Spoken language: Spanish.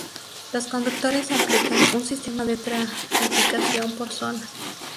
Los conductores aplican un sistema de tarificación por zonas.